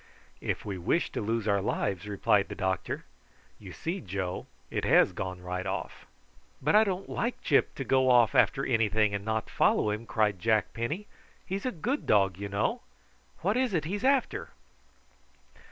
"If we wish to lose our lives," replied the doctor. "You see, Joe, it has gone right off." "But I don't like Gyp to go off after anything and not follow him," cried Jack Penny. "He's a good dog, you know. What is it he's after?"